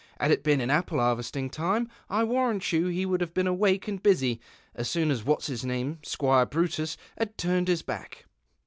Had it been in apple iiarvesting time I warrant you he would have been awake and busy as soon as what"s jus nanu', Squire Brutus, had turned his baek."'